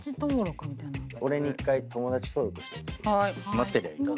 待ってりゃいいか。